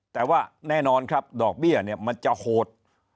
แต่ว่าแน่นอนครับดอกเบี้ยเนี่ยมันจะโหด